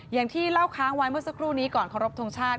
อย่างที่เล่าค้างไว้เมื่อสักครู่นี้ก่อนเคารพทงชาติ